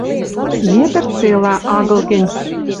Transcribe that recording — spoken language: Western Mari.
Метр цела, агыл гӹнь.